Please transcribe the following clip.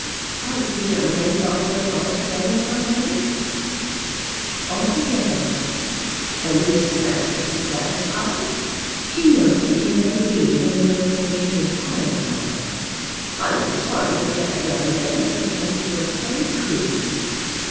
"Has the young man gone away altogether now, Mary?" "Altogether." "And Mrs. Masters is satisfied?" "She knows it can never be, and therefore she is quiet about it." "I was sorry for that young man, because he was so true."